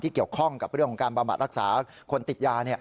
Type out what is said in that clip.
เกี่ยวข้องกับเรื่องของการบำบัดรักษาคนติดยา